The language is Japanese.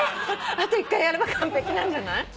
あと１回やれば完璧なんじゃない？